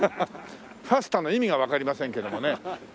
ファスタの意味がわかりませんけどもね。